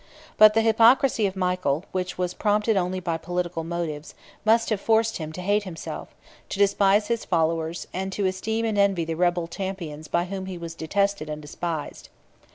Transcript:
But the hypocrisy of Michael, which was prompted only by political motives, must have forced him to hate himself, to despise his followers, and to esteem and envy the rebel champions by whom he was detested and despised.